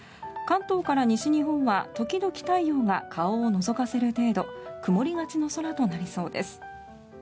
関東から西日本は時々、太陽が顔をのぞかせる程度曇りがちの空となりそうです。